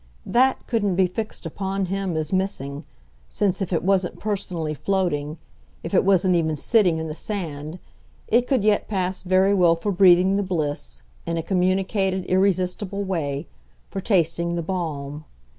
That couldn't be fixed upon him as missing; since if it wasn't personally floating, if it wasn't even sitting in the sand, it could yet pass very well for breathing the bliss, in a communicated irresistible way for tasting the balm.